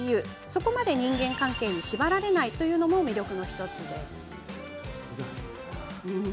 そこまで人間関係に縛られないというのも魅力の１つなんです。